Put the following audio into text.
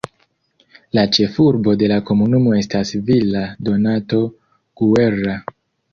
La ĉefurbo de la komunumo estas Villa Donato Guerra.